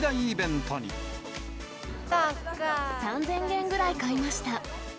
３０００元ぐらい買いました。